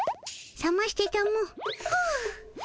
さましてたも。